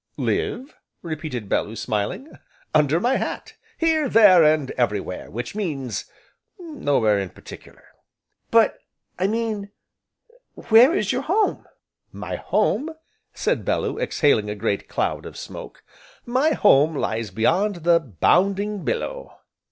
"Live," repeated Bellew, smiling, "under my hat, here, there, and everywhere, which means nowhere in particular." "But I I mean where is your home?" "My home," said Bellew, exhaling a great cloud of smoke, "my home lies beyond the 'bounding billow."